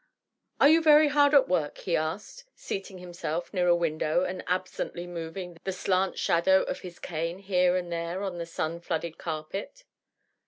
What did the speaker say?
" Are you very hard at work ?" he asked, seating himself near a window and absently moving the slant shadow of his cane here and there on the sun flooded carpet.